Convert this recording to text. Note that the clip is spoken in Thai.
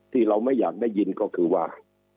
ที่เราไม่อยากได้ยินก็คือว่า